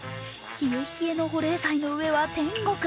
冷え冷えの保冷剤の上は天国。